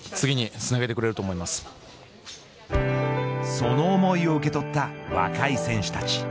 その思いを受け取った若い選手たち。